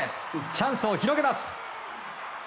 チャンスを広げます。